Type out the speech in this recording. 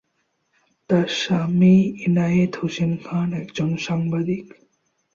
তার স্বামী এনায়েত হোসেন খান একজন সাংবাদিক।